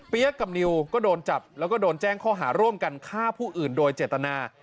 กับนิวก็โดนจับแล้วก็โดนแจ้งข้อหาร่วมกันฆ่าผู้อื่นโดยเจตนา